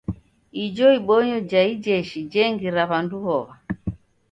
Ijo ibonyo ja ijeshi jengira w'andu w'ow'a.